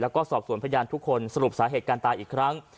แล้วก็สอบสวนพยานทุกคนสรุปสาเหตุการตายอีกครั้ง